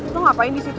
lo ngapain disitu